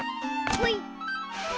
ほい！